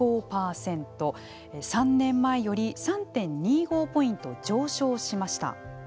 ３年前より３．２５ポイント上昇しました。